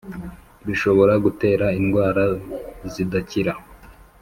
bishobora gutera indwara zitakira